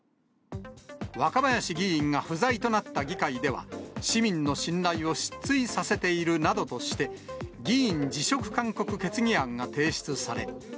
若林議員が不在となった議会では、市民の信頼を失墜させているなどとして、議員辞職勧告決議案が提出され。